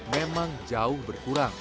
memang jauh berkurang